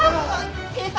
警察！